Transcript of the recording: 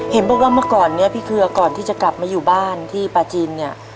เห็นบอกว่าเมื่อก่อนเนี่ยพี่เครือก่อนที่จะกลับมาอยู่บ้านที่ปลาจีนเนี่ย